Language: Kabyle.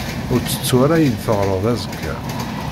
Ur tettu ara ad yi-d-taɣreḍ azekka.